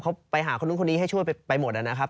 เขาไปหาคนนู้นคนนี้ให้ช่วยไปหมดนะครับ